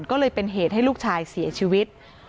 ก็เลยเป็นเหตุให้ลูกชายเสียชีวิต